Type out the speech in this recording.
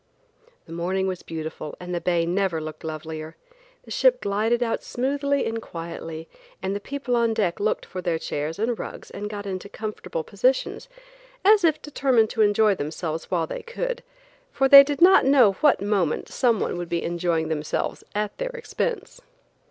The morning was beautiful and the bay never looked lovelier. The ship glided out smoothly and quietly, and the people on deck looked for their chairs and rugs and got into comfortable positions, as if determined to enjoy themselves while they could, for they did not know what moment someone would be enjoying themselves at their expense.